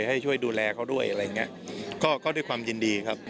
ให้ช่วยดูแลเขาด้วยอะไรอย่างเงี้ยก็ก็ด้วยความยินดีครับ